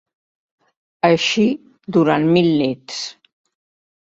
Així, durant mil nits.